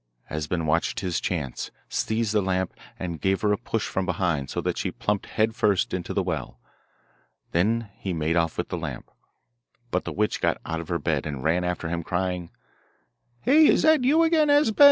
Esben watched his chance, seized the lamp, and gave her a push from behind, so that she plumped head first into the well. Then he made off with the lamp. But the witch got out of her bed and ran after him, crying: 'Hey! is that you again, Esben?